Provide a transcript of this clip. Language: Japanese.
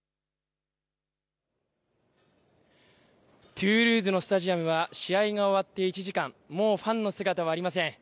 トゥールーズのスタジアムは、試合が終わって１時間、もうファンの姿はありません。